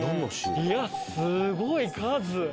いやすごい数！